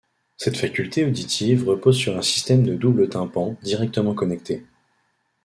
Cette faculté auditive repose sur un système de double tympans, directement connectés.